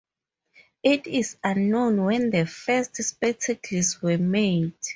It is unknown when the first spectacles were made.